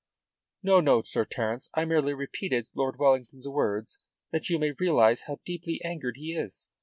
"No, no, Sir Terence. I merely repeated Lord Wellington's words that you may realise how deeply angered he is.